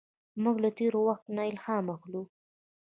موږ له تېر وخت نه الهام اخلو.